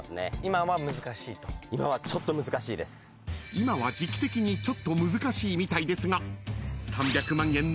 ［今は時季的にちょっと難しいみたいですが］